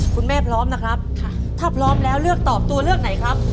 พร้อมนะครับถ้าพร้อมแล้วเลือกตอบตัวเลือกไหนครับ